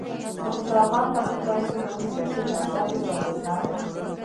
د خوشحال خان خټک پاڅون بل سیاسي حرکت و چې اغېزناک و.